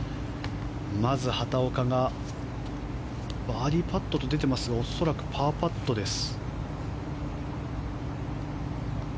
まず畑岡がバーディーパットと出ていますが恐らくパーパットです。